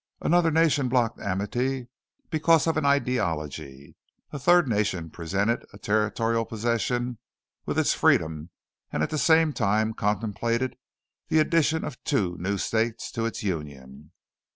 Another nation blocked amity because of an ideology. A third nation presented a territorial possession with its freedom and at the same time contemplated the addition of two new states to its union.